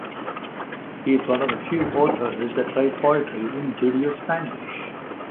He is one of the few authors that write poetry in Judeo-Spanish.